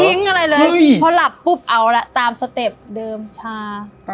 อะไรเลยพอหลับปุ๊บเอาละตามสเต็ปเดิมชา